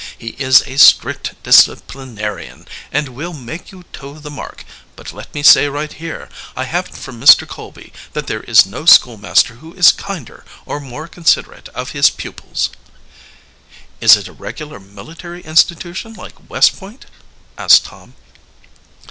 He is a strict disciplinarian, and will make you toe the mark; but let me say right here, I have it from Mr. Colby that there is no schoolmaster who is kinder or more considerate of his pupils." "Is it a regular military institution like West Point?" asked Tom.